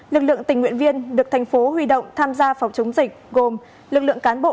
lực lượng tình nguyện viên được thành phố huy động tham gia phòng chống dịch gồm lực lượng cán bộ